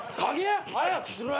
早くしろ。